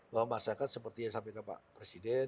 bahwa masyarakat seperti yang sampaikan pak presiden